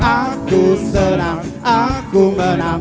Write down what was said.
aku senang aku senang